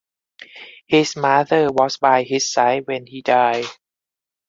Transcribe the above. His mother was by his side when he died.